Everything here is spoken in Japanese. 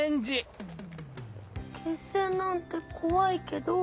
決戦なんて怖いけど。